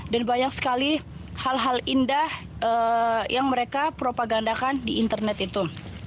dan banyak sekali hal hal indah yang mereka propagandakan di internet itu